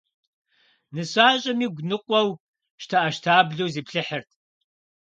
Нысащӏэм игу ныкъуэу, щтэӏэщтаблэу зиплъыхьырт.